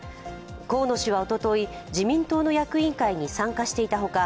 河野氏はおととい、自民党の役員会に参加していたほか